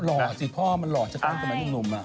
หล่อสิพ่อมันหล่อจะต้องสมัยหนุ่ม